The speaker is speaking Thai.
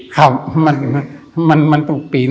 ครับมันต้องปีน